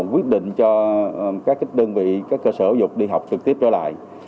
quyết định cho các đơn vị các cơ sở giáo dục đi học trực tiếp trở lại